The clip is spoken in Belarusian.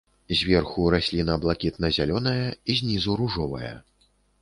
Зверху расліна блакітна-зялёная, знізу ружовая.